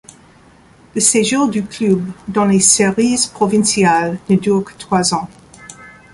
Le séjour du club dans les séries provinciales ne dure que trois ans.